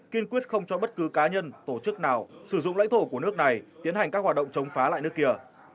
kiên quyết không cho bất cứ cá nhân tổ chức nào sử dụng lãnh thổ của nước này tiến hành các hoạt động chống phá lại nước kia